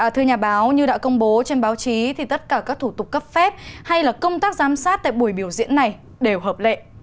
thưa nhà báo như đã công bố trên báo chí thì tất cả các thủ tục cấp phép hay là công tác giám sát tại buổi biểu diễn này đều hợp lệ